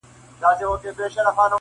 چي له ډېري خاموشۍ یې غوغا خېژې.